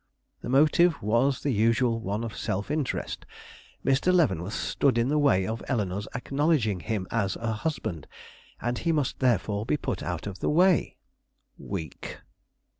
"The motive was the usual one of self interest. Mr. Leavenworth stood in the way of Eleanore's acknowledging him as a husband, and he must therefore be put out of the way." "Weak!"